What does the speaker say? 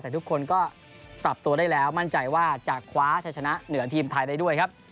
แต่ทุกคนก็ปรับตัวได้แล้วมั่นใจว่าจะคว้าชัยชนะเหนือทีมไทยได้ด้วยครับ